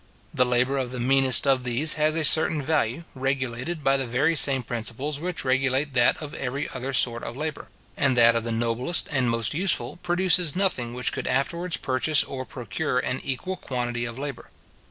The labour of the meanest of these has a certain value, regulated by the very same principles which regulate that of every other sort of labour; and that of the noblest and most useful, produces nothing which could afterwards purchase or procure an equal quantity of labour.